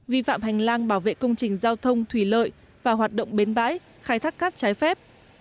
vi phạm hành lang bảo vệ công trình giao thông thủy lợi và hoạt động bến bãi khai thác cát trái phép